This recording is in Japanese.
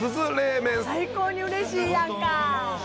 最高にうれしいやんか。